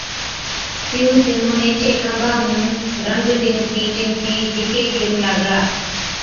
تِيُون تِيُون ايڇي کنڀا مُون رنگ ٽِمتِي ٽِمتِي جھِڪي ڪرُون لاگلا۔